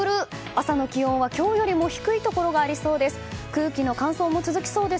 朝の気温は今日よりも低いところがありそうです。